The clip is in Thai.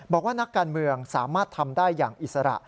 บอกว่านักการเมืองสามารถทำได้อย่างอิสระ